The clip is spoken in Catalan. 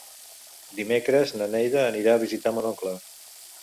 Dimecres na Neida anirà a visitar mon oncle.